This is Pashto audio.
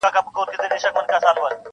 پر لویانو کشرانو باندي گران وو-